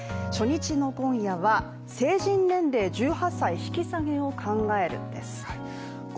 初日の今夜は、成人年齢１８歳引き下げを考えるんです。